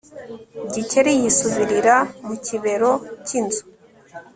Gikeli yisubirira mu kibero cyinzu